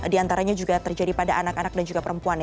diantaranya juga terjadi pada anak anak dan juga perempuan